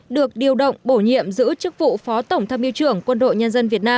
được điều động bổ nhiệm giữ chức vụ phó tổng tham yêu trưởng quân đội nhân dân việt nam